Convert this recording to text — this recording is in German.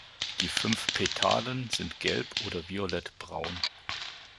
Die fünf Petalen sind gelb oder violett-braun.